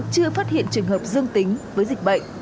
chưa phát hiện trường hợp dương tính với dịch bệnh